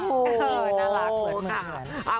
โอ้โหน่ารักเหมือนมัน